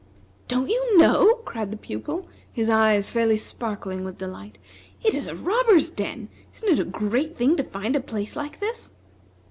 "Don't you know?" cried the Pupil, his eyes fairly sparkling with delight. "It is a robber's den! Isn't it a great thing to find a place like this?"